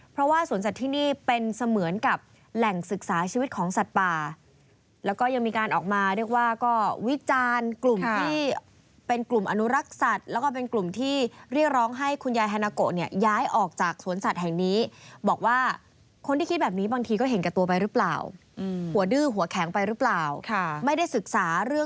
เพราะว่าสวนสัตว์ที่นี่เป็นเสมือนกับแหล่งศึกษาชีวิตของสัตว์ป่าแล้วก็ยังมีการออกมาเรียกว่าก็วิจารณ์กลุ่มที่เป็นกลุ่มอนุรักษ์สัตว์แล้วก็เป็นกลุ่มที่เรียกร้องให้คุณยายฮานาโกะเนี่ยย้ายออกจากสวนสัตว์แห่งนี้บอกว่าคนที่คิดแบบนี้บางทีก็เห็นแก่ตัวไปหรือเปล่าหัวดื้อหัวแข็งไปหรือเปล่าไม่ได้ศึกษาเรื่อง